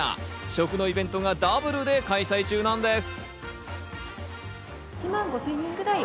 食のイベントがダブルで開催中なんです。